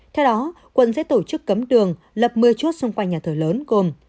theo đó quận sẽ tổ chức cấm đường lập một mươi chốt xung quanh nhà thờ lớn gồm